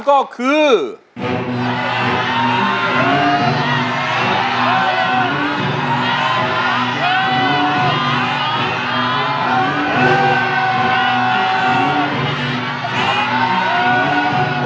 เย้เย้เย้